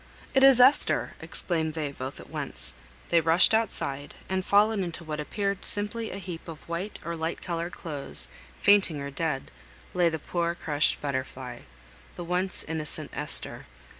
"It is Esther!" exclaimed they, both at once. They rushed outside; and, fallen into what appeared simply a heap of white or light coloured clothes, fainting or dead, lay the poor crushed Butterfly the once innocent Esther.